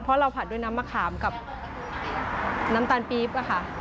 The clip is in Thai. เพราะเราผัดด้วยน้ำมะขามกับน้ำตาลปี๊บค่ะ